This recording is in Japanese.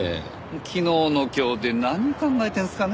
昨日の今日で何考えてるんですかね？